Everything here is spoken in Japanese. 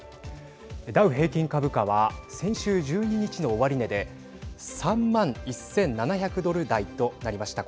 ダウ平均株価は先週１２日の終値で３万１７００ドル台となりました。